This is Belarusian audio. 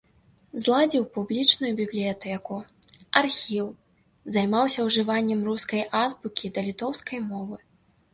Зладзіў публічную бібліятэку, архіў, займаўся ужываннем рускай азбукі да літоўскай мовы.